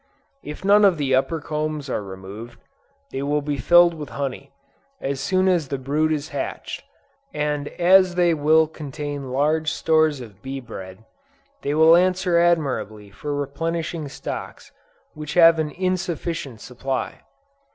If none of the upper combs are removed, they will be filled with honey, as soon as the brood is hatched; and as they will contain large stores of bee bread, they will answer admirably for replenishing stocks which have an insufficient supply.